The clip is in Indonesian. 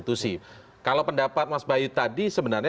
terima kasih se bewaii